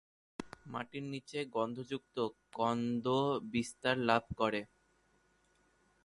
মাটির নিচে গন্ধযুক্ত কন্দ বিস্তার লাভ করে।